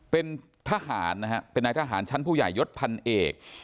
เป็นทหารนะฮะเป็นนายทหารชั้นผู้ใหญ่ยศพันเอก